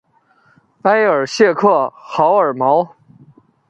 埃尔谢克豪尔毛。